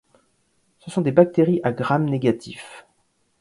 Ce sont des bactéries à Gram négatif.